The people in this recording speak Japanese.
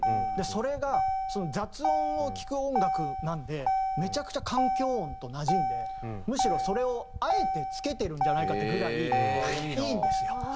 それが雑音を聴く音楽なんでめちゃくちゃ環境音となじんでむしろそれをあえて付けてるんじゃないかってぐらいいいんですよ。